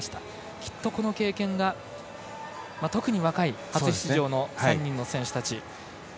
きっとこの経験が特に若い初出場の３人の選手たち。